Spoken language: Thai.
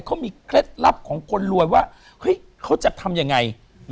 เขามีเคล็ดลับของคนรวยว่าเฮ้ยเขาจะทำยังไง